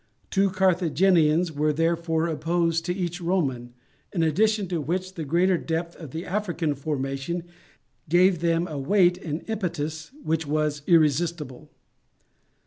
Two Carthaginians were therefore opposed to each Roman, in addition to which the greater depth of the African formation gave them a weight and impetus which was irresistible.